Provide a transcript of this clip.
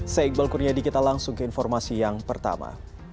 saya iqbal kurniadi kita langsung ke informasi yang pertama